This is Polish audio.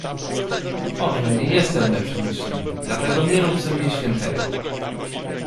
"Może nie jestem lepszy, niż inni, dlatego nie rób ze mnie świętego."